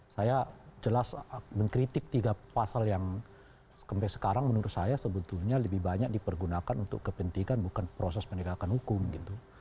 saya jelas mengkritik tiga pasal yang sampai sekarang menurut saya sebetulnya lebih banyak dipergunakan untuk kepentingan bukan proses penegakan hukum gitu